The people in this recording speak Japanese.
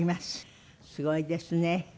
すごいですね。